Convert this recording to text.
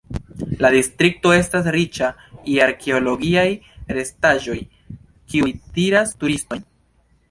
La distrikto estas riĉa je arkeologiaj restaĵoj, kiuj tiras turistojn.